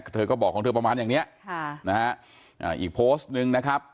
เธอก็บอกของเธอประมาณอย่างเนี้ยค่ะนะฮะอีกโพสต์หนึ่งนะครับ